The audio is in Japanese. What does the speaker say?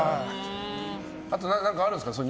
あと、何かあるんですか